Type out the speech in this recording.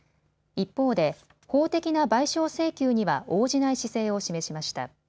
一方で法的な賠償請求には応じない姿勢を示しました。